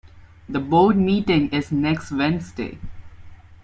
The board meeting is next Wednesday.